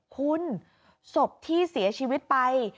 คุณศพที่เสียชีวิตไป